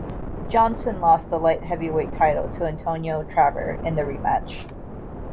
Johnson lost the light heavyweight title to Antonio Tarver in the rematch.